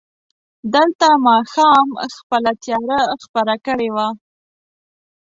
دلته ماښام خپله تياره خپره کړې وه.